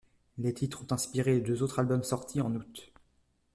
Les titres ont inspiré les deux autres albums sortis en août.